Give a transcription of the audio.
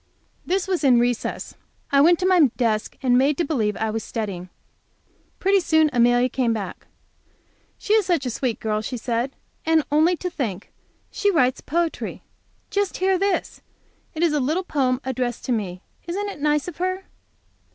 This was in recess. I went to my desk and made believe I was studying. Pretty soon Amelia came back. "She is a sweet girl," she said, "and only to think! She writes poetry! Just hear this! It is a little poem addressed to me. Isn't it nice of her?"